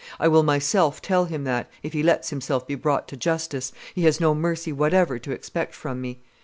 I will myself tell him that, if he lets himself be brought to justice, he has no mercy whatever to expect from me."